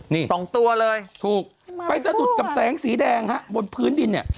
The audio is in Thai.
นี่ถูกไปสะดุดกับแสงสีแดงครับขนาดสองตัวเลย